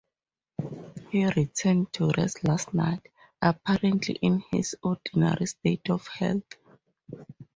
He returned to rest last night, apparently in his ordinary state of health.